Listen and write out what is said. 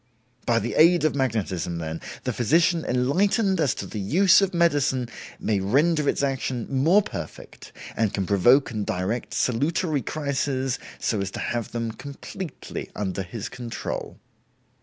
By the aid of magnetism, then, the physician enlightened as to the use of medicine may render its action more perfect, and can provoke and direct salutary crises so as to have them completely under his control."